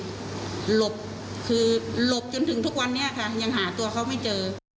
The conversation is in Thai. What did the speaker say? หลบคือหลบจนถึงทุกวันนี้ค่ะยังหาตัวเขาไม่เจอ